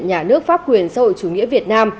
nhà nước pháp quyền xã hội chủ nghĩa việt nam